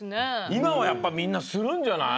いまはやっぱみんなするんじゃない？